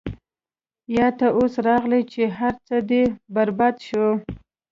يا تۀ اوس راغلې چې هر څۀ دې برباد شو -